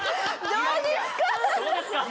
どうですか？